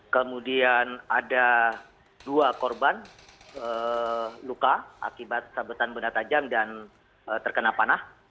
kemudian ada dua korban luka akibat sabetan benda tajam dan terkena panah